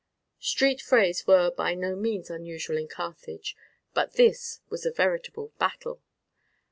Street frays were by no means unusual in Carthage, but this was a veritable battle.